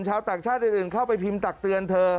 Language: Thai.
ชาวต่างชาติอื่นเข้าไปพิมพ์ตักเตือนเธอ